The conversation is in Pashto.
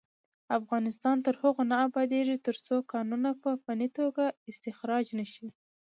افغانستان تر هغو نه ابادیږي، ترڅو کانونه په فني توګه استخراج نشي.